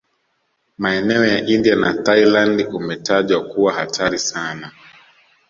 Maeneo ya India na Thailand umetajwa kuwa hatari sana